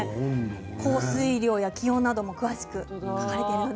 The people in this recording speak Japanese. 降水量や気温も詳しく書かれています。